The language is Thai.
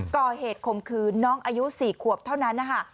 ก่อเหตุขมคืนน้องอายุสี่ขวบเท่านั้นนะคะ